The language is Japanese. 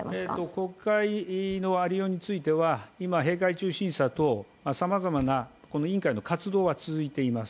国会のありようについては、今、閉会中審査とさまざまな委員会の活動は続いています。